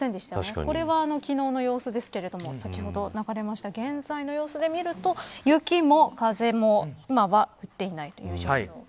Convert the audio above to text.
これは昨日の様子ですけれども先ほど流れました現在の様子で見ると雪も風も今は降っていないという状況で。